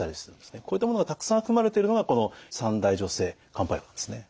こういったものがたくさん含まれているのがこの三大女性漢方薬なんですね。